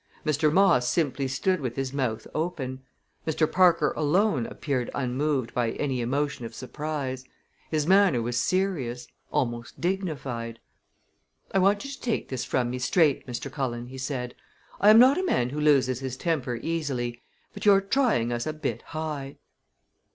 Mr. Moss simply stood with his mouth open. Mr. Parker alone appeared unmoved by any emotion of surprise. His manner was serious almost dignified. "I want you to take this from me straight, Mr. Cullen," he said. "I am not a man who loses his temper easily, but you're trying us a bit high."